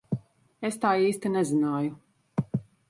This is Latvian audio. Es tā īsti nezināju.